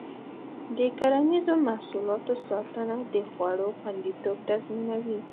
د کرنیزو محصولاتو ساتنه د خوړو خوندیتوب تضمینوي.